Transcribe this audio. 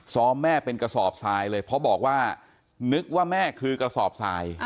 แม่เป็นกระสอบทรายเลยเพราะบอกว่านึกว่าแม่คือกระสอบทราย